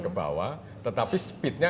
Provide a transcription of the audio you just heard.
ke bawah tetapi speednya